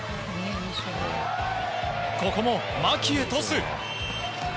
ここも牧へトス。